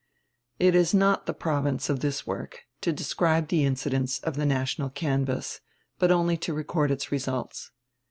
It is not the province of this work to describe the incidents of the national canvass, but only to record its results.